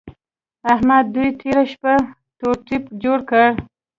احمد دوی تېره شپه تور تيپ جوړ کړ.